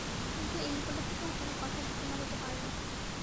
কিন্তু এই উপলক্ষেও কোনো কথার সূচনা হতে পারল না।